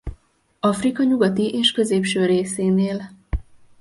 Afrika nyugati és középső részén él.